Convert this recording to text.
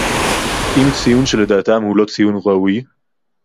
אם ציון שלדעתם הוא לא ציון ראוי